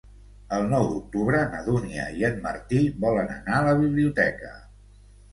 El nou d'octubre na Dúnia i en Martí volen anar a la biblioteca.